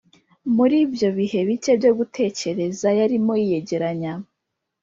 muri ibyo bihe bike byo gutekereza yarimo yiyegeranya,